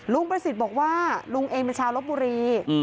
ประสิทธิ์บอกว่าลุงเองเป็นชาวลบบุรี